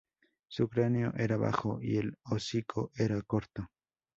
Su cráneo era bajo, y el hocico era corto.